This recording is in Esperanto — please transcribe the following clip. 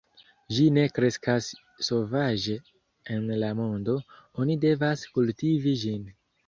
Ĝi ne kreskas sovaĝe en la mondo; oni devas kultivi ĝin.